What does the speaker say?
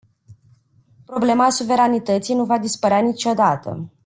Problema suveranității nu va dispărea niciodată.